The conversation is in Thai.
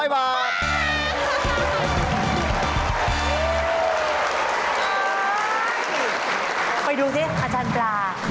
ไปดูสิอาจารย์ปลา